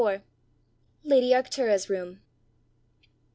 LADY ARCTURA'S ROOM.